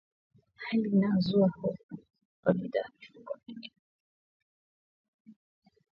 hali inayozua hofu kuwa bidhaa za mifugo waliopewa dawa hizo zina kiwango kikubwa